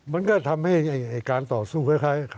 มันก็ทำให้การต่อสู้คล้าย